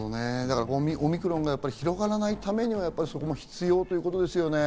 オミクロンが広がらないためにはそういうことも必要ということですね。